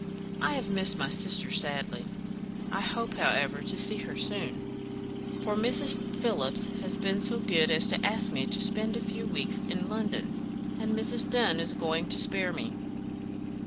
I have missed my sister, sadly. I hope, however, to see her soon, for Mrs. Phillips has been so good as to ask me to spend a few weeks in London, and Mrs. Dunn is going to spare me."